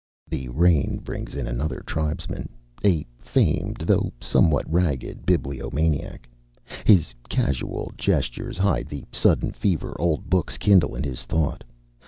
The rain brings in another tribesman a famed though somewhat ragged bibliomaniac. His casual gestures hide the sudden fever old books kindle in his thought.